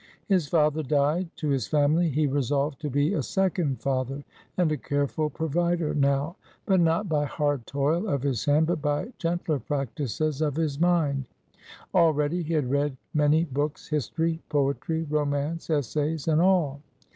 His father died; to his family he resolved to be a second father, and a careful provider now. But not by hard toil of his hand; but by gentler practices of his mind. Already he had read many books history, poetry, romance, essays, and all.